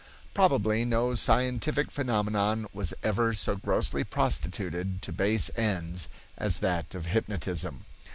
Probably no scientific phenomenon was ever so grossly prostituted to base ends as that of hypnotism.